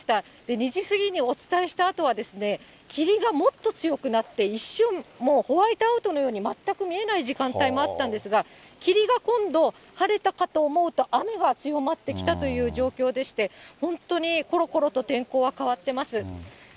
２時過ぎにお伝えしたあとは、霧がもっと強くなって、一瞬もう、ホワイトアウトのように全く見えない時間帯もあったんですが、霧が今度晴れたかと思うと、雨が強まってきたという状況でして、本当にころころと天候は変わってます。